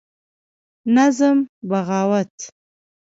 نظم: بغاوت